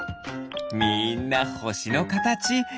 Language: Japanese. みんなほしのかたち。